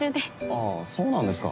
あぁそうなんですか。